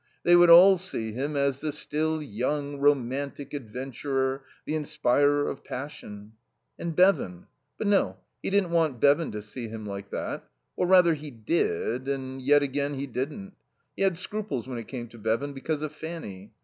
They would all see him as the still young, romantic adventurer, the inspirer of passion. And Bevan But no, he didn't want Bevan to see him like that. Or rather, he did, and yet again he didn't. He had scruples when it came to Bevan, because of Fanny.